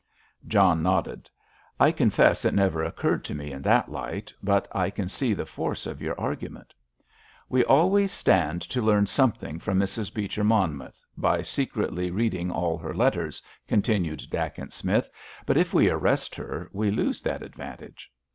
John nodded. "I confess it never occurred to me in that light, but I can see the force of your argument." "We always stand to learn something from Mrs. Beecher Monmouth, by secretly reading all her letters," continued Dacent Smith, "but if we arrest her we lose that advantage.